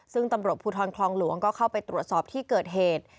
ซึ่งตำรวจภูทรคลองหลวงก็เข้าไปตรวจสอบที่เกิดเหตุ